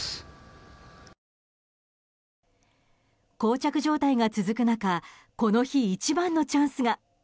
膠着状態が続く中この日一番のチャンスが。